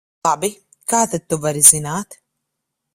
Labi, kā tad tu vari zināt?